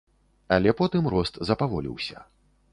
Але потым рост запаволіўся.